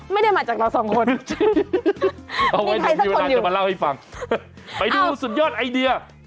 ไม่ได้มาจากเราสองคนจริงเอาไว้ในเทวดาจะมาเล่าให้ฟังไปดูสุดยอดไอเดีย